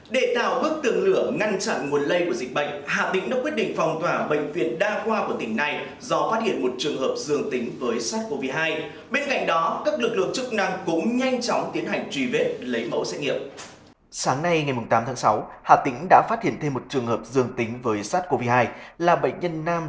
để tạo bước tường lửa ngăn chặn nguồn lây của dịch bệnh hạ tỉnh đã quyết định phòng tỏa bệnh viện đa qua của tỉnh nam